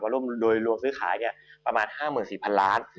ร่วมโดยรวมซื้อขายประมาณ๕๔๐๐๐ล้าน